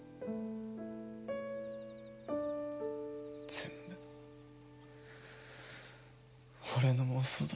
全部俺の妄想だ。